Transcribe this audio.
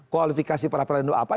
kualifikasi peradilan itu apa